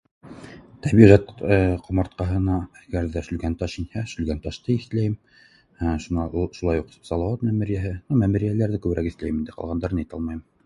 Тәбиғәт ҡомартҡыһына әгәр ҙә Шүлгәнташ инһә, Шүлгәнташты иҫләйем, ээ шунан шулай уҡ Салауат мәмерйәһе, ну мәмерйәләрҙе күберәк иҫләйем инде ҡалғандарын әйтә алмайым